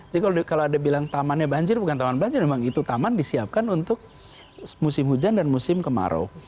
jadi kalau ada bilang tamannya banjir bukan taman bancir memang itu taman disiapkan untuk musim hujan dan musim kemarau